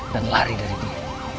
dan lari dari sini